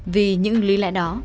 vì những lý lẽ đó